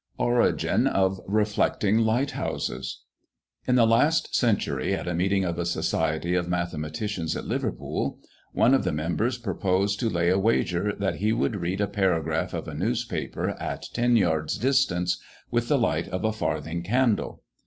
ORIGIN OF REFLECTING LIGHTHOUSES. In the last century, at a meeting of a society of mathematicians at Liverpool, one of the members proposed to lay a wager, that he would read a paragraph of a newspaper, at ten yards' distance, with the light of a farthing candle.